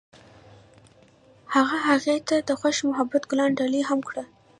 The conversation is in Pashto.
هغه هغې ته د خوښ محبت ګلان ډالۍ هم کړل.